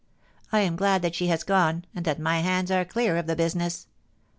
I am glad that she has gone, and that my hands are clear of the business.